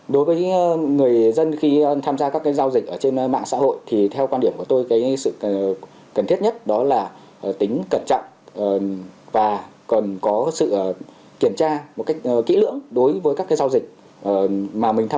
đối với người dân khi tham gia các giao dịch ở trên mạng xã hội thì theo quan điểm của tôi sự cần thiết nhất đó là tính cẩn trọng và cần có sự kiểm tra một cách kỹ lưỡng đối với các giao dịch